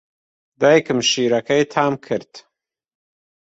دایکم شیرەکەی تام کرد.